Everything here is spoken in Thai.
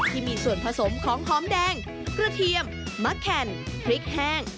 ที่มีส่วนผสมของหอมแดงกระเทียมมะแข่นพริกแห้ง